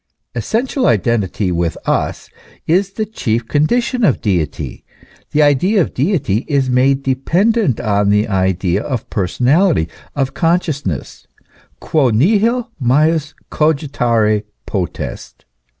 Essential identity with us is the chief condition of deity; the idea of deity is made dependent on the idea of personality, of consciousness, quo niliil majus cogitari potest.